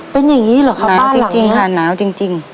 เป็นอย่างงี้เหรอคะน้าวจริงจริงค่ะน้าวจริงจริง